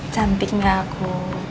cantik gak aku